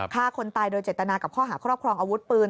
ฆ่าคนตายโดยเจตนากับข้อหาครอบครองอาวุธปืน